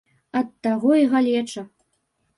Ад таго і галеча.